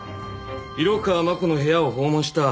色川真子の部屋を訪問した。